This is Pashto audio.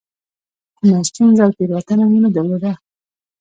کومه ستونزه او تېروتنه مو نه درلوده.